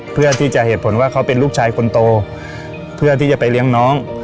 เพื่อที่จะเหตุผลว่าเขาเป็นลูกชายคนโตเพื่อที่จะไปเลี้ยงน้อง